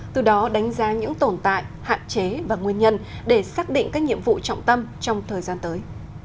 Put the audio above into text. từ đó đánh giá những tồn tại hạn chế và nguyên nhân để xác định các nhiệm vụ trọng tâm trong thời gian tới